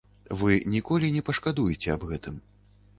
Вы ніколі не пашкадуеце аб гэтым.